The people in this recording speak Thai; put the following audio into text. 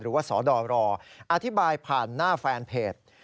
หรือว่าสรอธิบายผ่านหน้าแฟนเพจ